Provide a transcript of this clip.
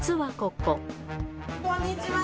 こんにちは。